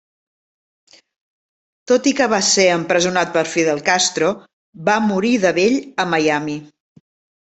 Tot i que va ser empresonat per Fidel Castro, va morir de vell a Miami.